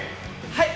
はい。